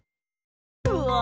うわ！